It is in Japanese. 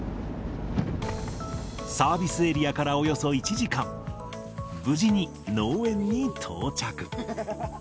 サービスエリアからおよそ１時間、無事に農園に到着。